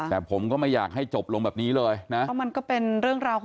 แต่ผมก็ไม่อยากให้จบลงแบบนี้เลยนะ